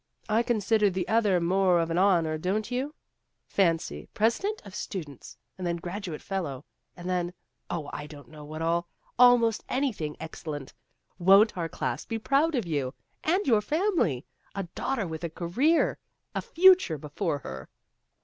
I consider the other more of an honor, don't you ? Fancy president of Stu dents', and then graduate fellow, and then oh, I don't know what all almost any thing excellent. Won't our class be proud of you ! And your family ! A daughter with a Career a Future before her